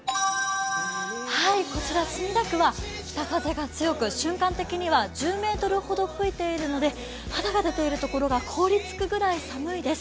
こちら墨田区は北風が強く瞬間的には１０メートルほど吹いているので肌が出ているところが凍りつくぐらい寒いです。